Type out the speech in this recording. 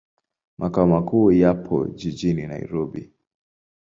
Makao makuu yapo jijini Nairobi.